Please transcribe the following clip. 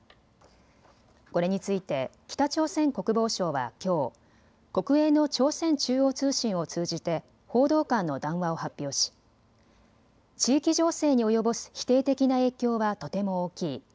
これについて北朝鮮国防省はきょう、国営の朝鮮中央通信を通じて報道官の談話を発表し地域情勢に及ぼす否定的な影響はとても大きい。